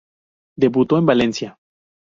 Debutó en Valencia.